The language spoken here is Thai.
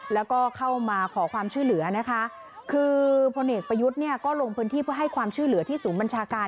แล้วก็เข้ามาขอความช่วยเหลือนะคะคือพลเอกประยุทธ์เนี่ยก็ลงพื้นที่เพื่อให้ความช่วยเหลือที่ศูนย์บัญชาการ